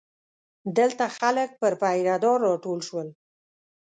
دلته خلک پر پیره دار راټول شول.